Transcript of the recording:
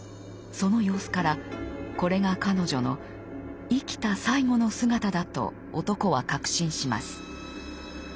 その様子からこれが彼女の生きた最後の姿だと男は確信します。